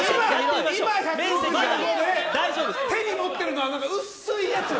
手に持ってるのはうっすいやつ！